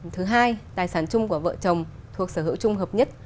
thứ hai tài sản chung của vợ chồng thuộc sở hữu chung hợp nhất